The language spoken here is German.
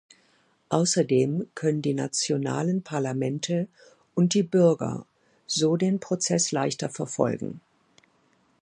Außerdem können die nationalen Parlamente und die Bürger so den Prozess leichter verfolgen.